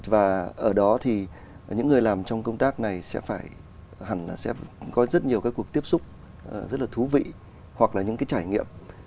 và ở đó thì những người làm trong công tác này sẽ phải hẳn là sẽ có rất nhiều cái cuộc tiếp xúc rất là thú vị hoặc là những cái trải nghiệm